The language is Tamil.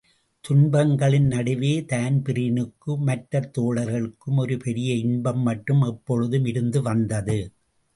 துன்பங்களின் நடுவே தான்பிரீனுக்கும் மற்றத் தோழர்களுக்கும் ஒரு பெரிய இன்பம் மட்டும் எப்பொழுதும் இருந்துவந்தது.